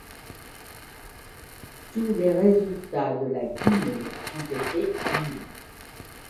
Tous les résultats de la Guinée ont été annulés.